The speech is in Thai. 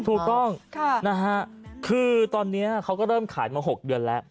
ถูกต้องนะฮะคือตอนนี้เขาก็เริ่มขายมา๖เดือนแล้ว